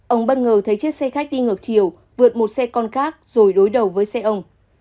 ông bất ngờ thấy chiếc xe khách đi ngược chiều vượt một xe con khác rồi đối đầu với xe ông